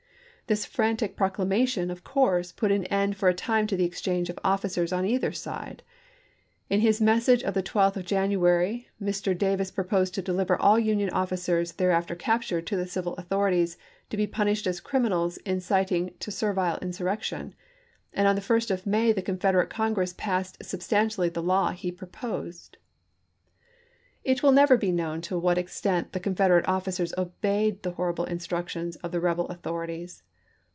This frantic proclamation, of course, put an end for a time to the exchange of officers on either side. In his message of the 12th of Jan uary, Mr. Davis proposed to deliver all Union offi i863. cers thereafter captured to the civil authorities, to be punished as criminals inciting to servile insur rection; and on the 1st of May the Confederate Congress passed substantially the law he proposed. It will never be known to what extent the Con federate officers obeyed the horrible instructions of the rebel authorities.